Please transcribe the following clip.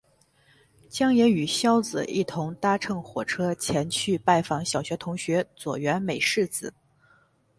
将也与硝子一同搭乘火车前去拜访小学同学佐原美世子。